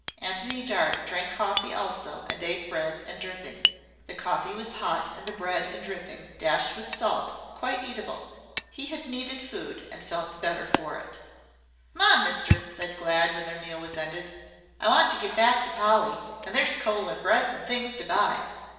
Antony Dart drank coffee also and ate bread and dripping. The coffee was hot and the bread and dripping, dashed with salt, quite eatable. He had needed food and felt the better for it. "Come on, mister," said Glad, when their meal was ended. "I want to get back to Polly, an' there's coal and bread and things to buy."